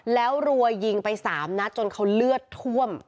แล้วรัวยิงไป๓นัดจนเขาเลือดท่วม